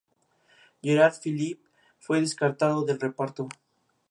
Gerard Philippe fue descartado del reparto.